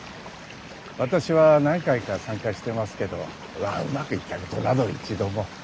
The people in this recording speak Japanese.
私は何回か参加してますけどまあうまくいったことなど一度も。